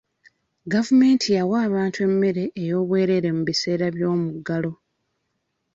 Gavumenti yawa abantu emmere ey'obwereere mu biseera by'omuggalo.